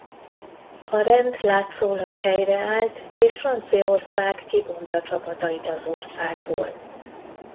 A rend látszólag helyreállt és Franciaország kivonta csapatait az országból.